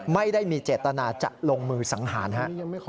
ไม่ได้มีเจตนาจะลงมือสังหารฮะ